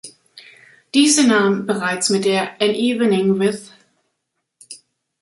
Diese nahm bereits mit der „An Evening with….